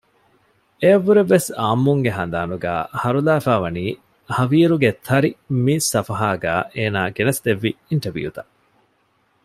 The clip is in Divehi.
އެއަށް ވުރެ ވެސް އާއްމުންގެ ހަނދާނުގައި ހަރުލާފައިވަނީ ހަވީރުގެ ތަރި މި ސަފުހާގައި އޭނާ ގެނެސްދެއްވި އިންޓަވިއުތައް